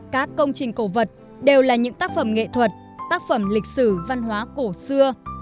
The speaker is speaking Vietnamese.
các công trình cổ vật đều là những tác phẩm nghệ thuật tác phẩm lịch sử văn hóa cổ xưa